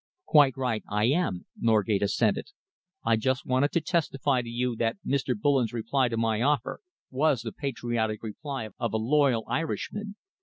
"Quite right, I am," Norgate assented. "I just wanted to testify to you that Mr. Bullen's reply to my offer was the patriotic reply of a loyal Irishman.